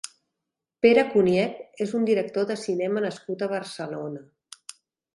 Pere Koniec és un director de cinema nascut a Barcelona.